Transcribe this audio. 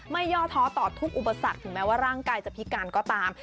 ย่อท้อต่อทุกอุปสรรคถึงแม้ว่าร่างกายจะพิการก็ตาม